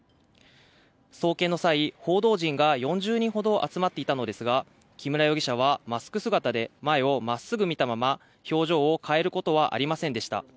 送検の際、報道陣が４０人ほど集まっていたのですが、木村容疑者はマスク姿で、前をまっすぐ見たまま表情を変えることはありませんでした。